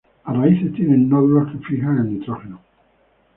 Las raíces tienen nódulos que fijan el nitrógeno.